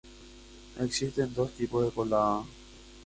Existen dos tipos de colada.